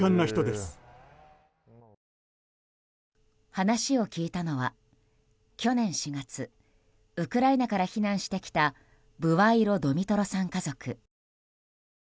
話を聞いたのは、去年４月ウクライナから避難してきたブワイロ・ドミトロさん家族。